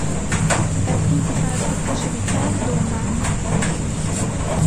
É o principal proceso vital do humano.